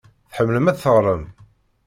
Tḥemmlem ad teɣrem?